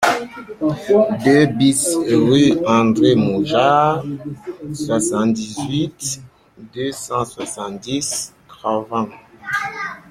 deux BIS rue André Mojard, soixante-dix-huit, deux cent soixante-dix, Cravent